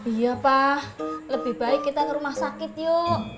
iya pak lebih baik kita ke rumah sakit yuk